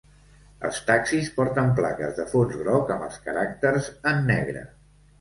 Els taxis porten plaques de fons groc amb els caràcters en negre.